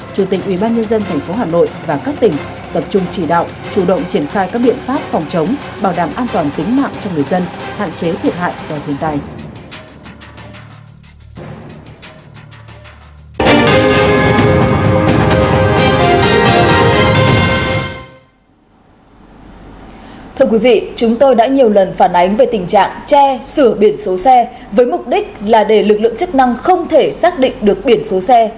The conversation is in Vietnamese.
chủ tịch ubnd tp hà nội và các tỉnh tập trung chỉ đạo chủ động triển khai các biện pháp phòng chống